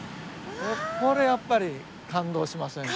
これやっぱり感動しませんか？